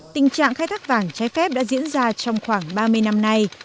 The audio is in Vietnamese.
tình trạng khai thác vàng trái phép đã diễn ra trong khoảng ba mươi năm nay